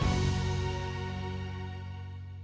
ya sudah ya sudah